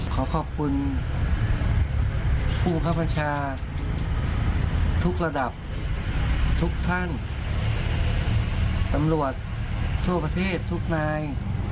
ขอขอบคุณผู้บังคับบัญชาทุกระดับทุกท่านตำรวจทั่วประเทศทุกนาย